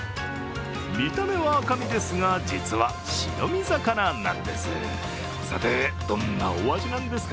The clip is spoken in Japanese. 見た目は赤身ですが、実は白身魚なんです。